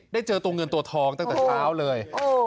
เจอตัวเงินตัวทองตั้งแต่เช้าเลย